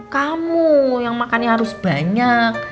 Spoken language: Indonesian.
kamu yang makannya harus banyak